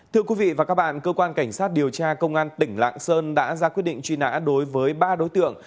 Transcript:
thưa quý vị và các bạn cơ quan cảnh sát điều tra công an tỉnh lạng sơn đã ra quyết định truy nã đối với ba đối tượng